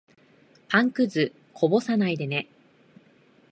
パンくず、こぼさないでね。